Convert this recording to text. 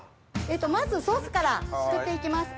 まずソースから作って行きます。